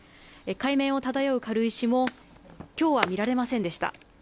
海面を漂う軽石もきょうは見られませんでした。